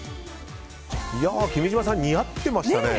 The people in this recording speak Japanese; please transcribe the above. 君島さん、似合ってましたね。